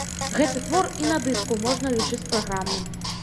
Гэты твор і на дыску можна лічыць праграмным.